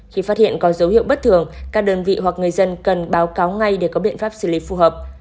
khi phát hiện có dấu hiệu bất thường các đơn vị hoặc người dân cần báo cáo ngay để có biện pháp xử lý phù hợp